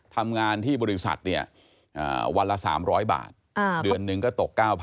ทำงานที่บริษัทเนี่ยวันละ๓๐๐บาทเดือนหนึ่งก็ตก๙๐๐